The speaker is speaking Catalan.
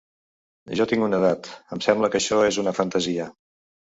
Jo tinc una edat, em sembla que això és una fantasia.